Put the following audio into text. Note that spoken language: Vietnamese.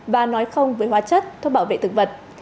và nói không với hóa chất thuốc bảo vệ thực vật